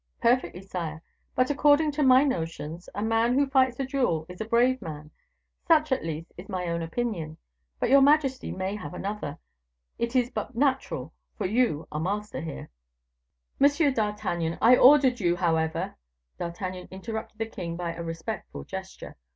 "Perfectly, sire; but, according to my notions, a man who fights a duel is a brave man; such, at least, is my own opinion; but your majesty may have another, it is but natural, for you are master here." "Monsieur d'Artagnan, I ordered you, however " D'Artagnan interrupted the king by a respectful gesture.